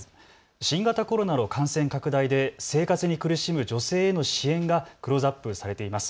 新型コロナの感染拡大で生活に苦しむ女性への支援がクローズアップされています。